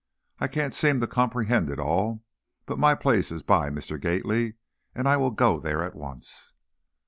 I can't seem to comprehend it all! But my place is by Mr. Gately and I will go there at once."